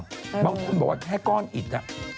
บางคนบอกว่าแค่ก้อนอิด